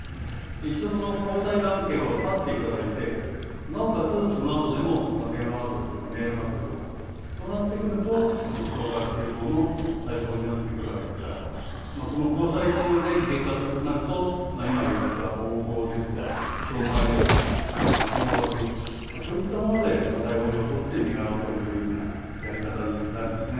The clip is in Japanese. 一度交際関係を断っていただいて、なおかつ、その後でも電話が来るとかメールが来るとか、そうなってくるとストーカー規制法の対象になってくるわけですから、交際中で事件化するとなると、今言われた暴行ですとか、傷害ですとか脅迫、そういったもので逮捕状を取って身柄を取るというようなやり方になるんですね。